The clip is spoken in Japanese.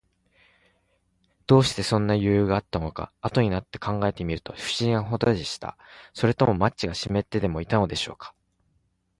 どうして、そんなよゆうがあったのか、あとになって考えてみると、ふしぎなほどでした。それともマッチがしめってでもいたのでしょうか。